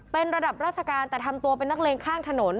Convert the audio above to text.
เป็นระดับราชการแต่ทำตัวเป็นนักเลงข้างถนน